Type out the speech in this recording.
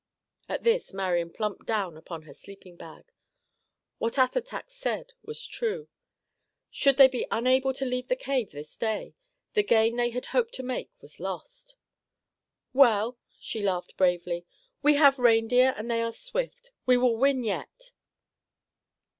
At this Marian plumped down upon her sleeping bag. What Attatak said was true. Should they be unable to leave the cave this day, the gain they had hoped to make was lost. "Well," she laughed bravely, "we have reindeer, and they are swift. We will win yet."